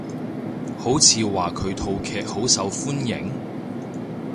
好似話佢套劇好受歡迎？